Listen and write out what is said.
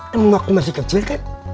temen waktu masih kecil kan